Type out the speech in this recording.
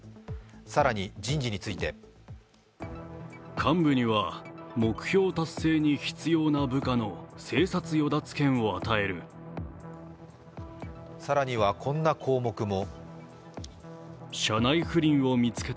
更に人事について更にはこんな項目も。